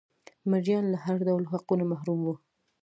مریان له هر ډول حقونو محروم وو